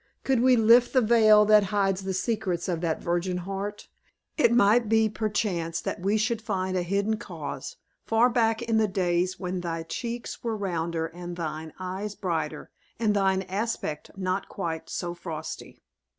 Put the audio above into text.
Could we lift the veil that hides the secrets of that virgin heart, it might be, perchance, that we should find a hidden cause, far back in the days when thy cheeks were rounder and thine eyes brighter, and thine aspect not quite so frosty.